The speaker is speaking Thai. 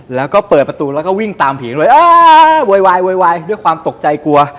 แล้วก็เปิดประตูแล้วก็วิ่งตามผีกันไว้เออโวยวายโวยวายด้วยความตกใจกลัว